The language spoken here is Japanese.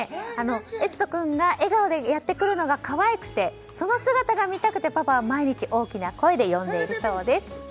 越斗君が笑顔でやってくるのが可愛くてその姿が見たくて、パパは毎日大きな声で呼んでいるそうです。